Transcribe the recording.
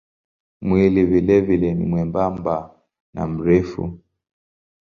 Mwili vilevile ni mwembamba na mrefu.